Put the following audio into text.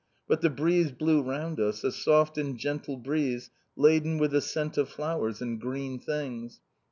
But the breeze blew round us, a soft and gentle breeze, laden with the scent of flowers and green things.